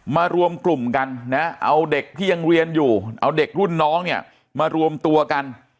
รวมกลุ่มกันนะเอาเด็กที่ยังเรียนอยู่เอาเด็กรุ่นน้องเนี่ยมารวมตัวกัน